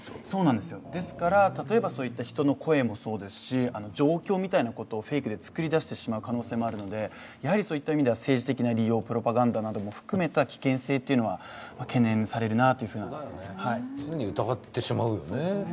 例えばそういった人の声もそうですし状況みたいなことをフェイクで作り出してしまう可能性もあるので、そういった意味では政治的な利用、プロパガンダなども含めた危険性というのは懸念されるなと思います。